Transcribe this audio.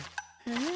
え？